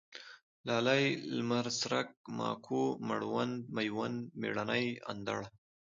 لالی ، لمرڅرک ، ماکو ، مړوند ، مېوند ، مېړنی، اندړ